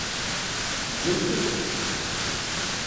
Ǧǧemt-t.